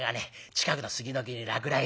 近くの杉の木に落雷だ。